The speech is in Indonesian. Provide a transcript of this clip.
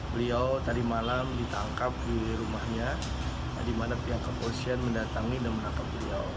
beliau tadi malam ditangkap di rumahnya di mana pihak kepolisian mendatangi dan menangkap beliau